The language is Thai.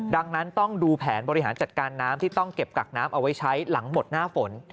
ดังนั้นต้องดูแผนบริหารจัดการน้ำที่ต้องเก็บกักน้ำเอาไว้ใช้หลังหมดหน้าฝน